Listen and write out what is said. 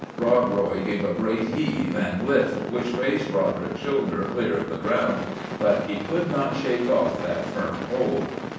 " Rob Roy gave a great heave and lift, which raised Roderick's shoulders clear of the ground; but he could not shake off that firm hold.